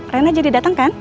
renna jadi datang kan